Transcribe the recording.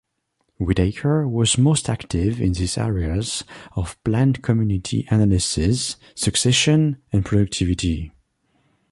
Whittaker was most active in the areas of plant community analysis, succession, and productivity.